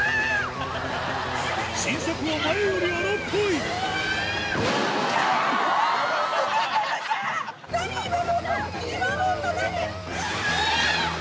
新作は前より荒っぽい今の音何！